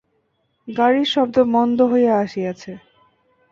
গাড়ির শব্দ মন্দ হইয়া আসিয়াছে।